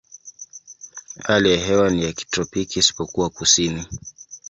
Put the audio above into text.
Hali ya hewa ni ya kitropiki isipokuwa kusini.